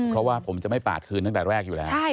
เพราะว่าผมจะไม่ปาดคืนตั้งแต่แรกอยู่แล้ว